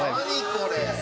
これ。